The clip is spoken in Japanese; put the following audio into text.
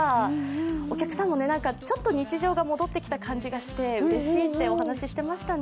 お客さんも、ちょっと日常が戻ってきた感じがしてうれしいってお話ししてましたね。